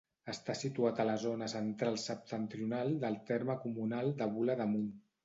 Està situat a la zona central-septentrional del terme comunal de Bula d'Amunt.